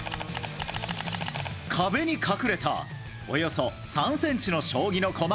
壁に隠れたおよそ３ｃｍの将棋の駒。